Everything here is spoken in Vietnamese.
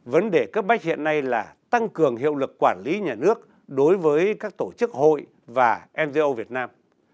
vấn đề cấp bách hiện nay là tăng cường hiệu lực quản lý nhà nước đối với các tổ chức hội và ngo việt nam